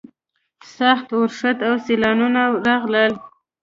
سخت اورښت او سیلاوونه راغلل.